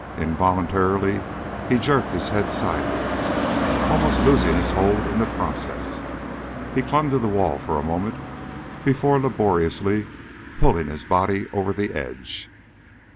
Involuntarily he jerked his head sideways, almost losing his hold in the process. He clung to the wall for a moment before laboriously pulling his body over the edge.